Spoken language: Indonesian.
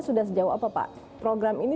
sudah sejauh apa pak program ini